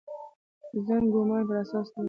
ظن ګومان پر اساس نه وي.